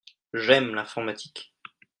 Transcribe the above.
J'aime l'informatique.